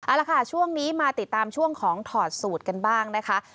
เอาละค่ะช่วงนี้มาติดตามช่วงของถอดสูตรกันบ้างนะคะ